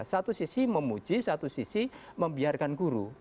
satu sisi memuji satu sisi membiarkan guru